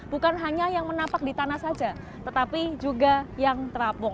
bukan hanya yang menampak di tanah saja tetapi juga yang terapung